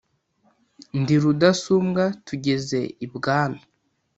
Ndi rudasumbwa tugeze ibwami